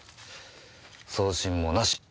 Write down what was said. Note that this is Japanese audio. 送信もなし。